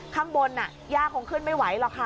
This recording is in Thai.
ข้างบนย่าคงขึ้นไม่ไหวหรอกค่ะ